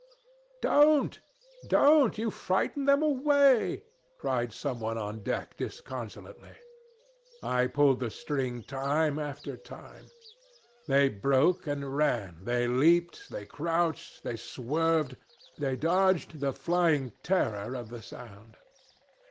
'Don't! Don't you frighten them away,' cried someone on deck disconsolately. I pulled the string time after time. They broke and ran, they leaped, they crouched, they swerved, they dodged the flying terror of the sound.